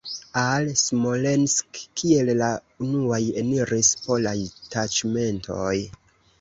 Al Smolensk kiel la unuaj eniris polaj taĉmentoj.